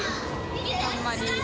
あんまり。